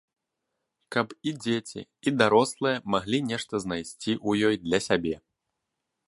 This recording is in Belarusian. Каб і дзеці і дарослыя маглі нешта знайсці ў ёй для сябе.